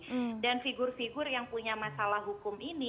figur figur yang punya masalah hukum ini